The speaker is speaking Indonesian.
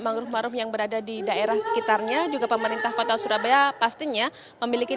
mangrove maruf yang berada di daerah sekitarnya juga pemerintah kota surabaya pastinya memiliki